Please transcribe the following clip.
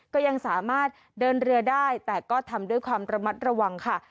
ก็ยังสามารถเดินเรือได้แต่ก็ทำด้วยความระมัดระวังค่ะ